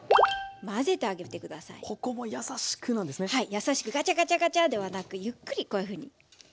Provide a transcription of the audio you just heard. やさしくガチャガチャガチャではなくゆっくりこういうふうに。